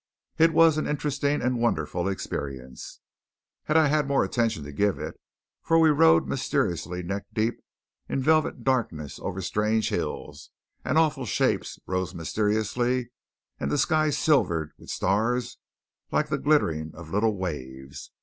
It was an interesting and wonderful experience, had I had more attention to give it, for we rode mysteriously neck deep in velvet darkness over strange hills, and awful shapes rose mysteriously, and the sky silvered with stars like the glittering of little waves.